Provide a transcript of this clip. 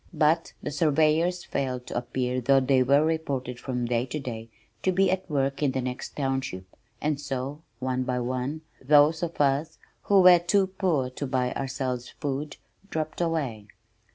But the surveyors failed to appear though they were reported from day to day to be at work in the next township and so, one by one, those of us who were too poor to buy ourselves food, dropped away.